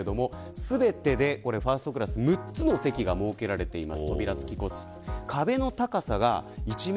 全てで、ファーストクラスは６つの席が設けられています。